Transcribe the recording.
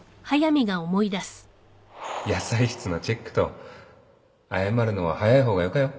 野菜室のチェックと謝るのは早い方がよかよ